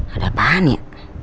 ada apaan ya